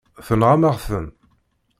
Tenɣam-aɣ-ten.